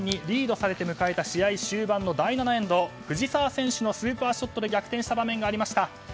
リードされて迎えた試合終盤の第７エンド、藤澤選手のスーパーショットで逆転した場面がありました。